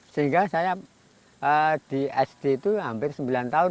sehingga saya di sd itu hampir sembilan tahun